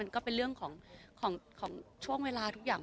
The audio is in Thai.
บางทีเค้าแค่อยากดึงเค้าต้องการอะไรจับเราไหล่ลูกหรือยังไง